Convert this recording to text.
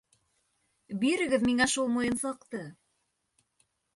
Бирегеҙ миңә шул муйынсаҡты!